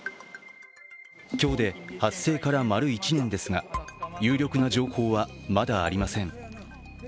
今日で発生から丸一年ですが、有力な情報はまだありません。